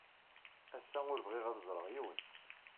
Ass-a, ur bɣiɣ ad ẓreɣ yiwen.